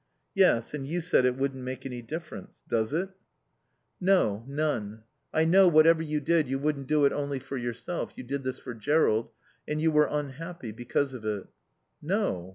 "Yes, and you said it wouldn't make any difference. Does it?" "No. None. I know, whatever you did, you wouldn't do it only for yourself. You did this for Jerrold. And you were unhappy because of it." "No.